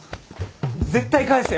絶対返せよ。